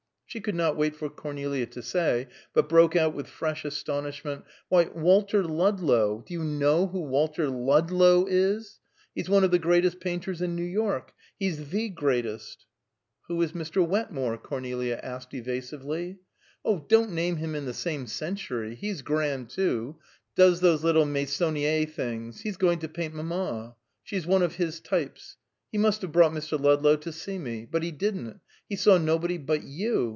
She could not wait for Cornelia to say, but broke out with fresh astonishment. "Why, Walter Ludlow! Do you know who Walter Ludlow is? He's one of the greatest painters in New York. He's the greatest!" "Who is Mr. Wetmore?" Cornelia asked evasively. "Don't name him in the same century! He's grand, too! Does those little Meissonier things. He's going to paint mamma. She's one of his types. He must have brought Mr. Ludlow to see me. But he didn't. He saw nobody but you!